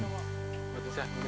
nah ini bagaimana